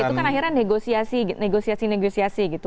itu kan akhirnya negosiasi negosiasi gitu